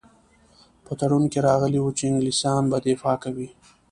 په تړون کې راغلي وو چې انګلیسیان به دفاع کوي.